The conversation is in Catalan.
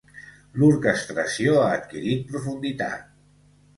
L'orquestració ha adquirit profunditat.